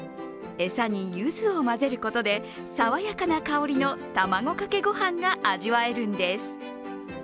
餌にゆずを混ぜることでさわやかな香りの卵かけ御飯が味わえるんです。